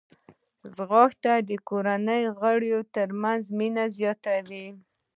ځغاسته د کورنۍ غړو ترمنځ مینه زیاتوي